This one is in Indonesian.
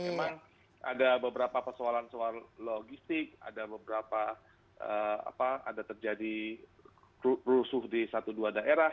memang ada beberapa persoalan soal logistik ada beberapa ada terjadi rusuh di satu dua daerah